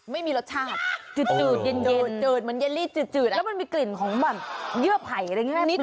ไม่มีรสชาติจืดเย็นจืดเหมือนเยลี่จืดแล้วมันมีกลิ่นของแบบเยื่อไผ่อะไรอย่างนี้ไหม